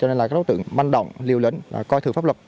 cho nên là các đối tượng manh động liêu lến coi thường pháp luật